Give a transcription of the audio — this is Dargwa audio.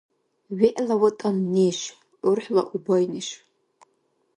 ВегӀла ВатӀан — неш, урхӀла — убай неш.